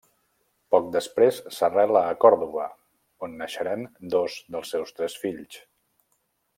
Poc després s'arrela a Còrdova, on naixeran dos dels seus tres fills.